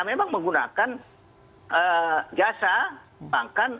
memang menggunakan jasa pembayaran